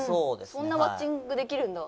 そんなマッチングできるんだ。